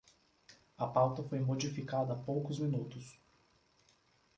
A pauta foi modificada há poucos minutos